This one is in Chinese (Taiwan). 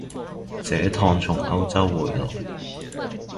這趟從歐洲回來